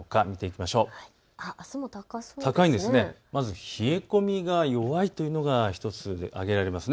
まず冷え込みが弱いというのが１つ挙げられます。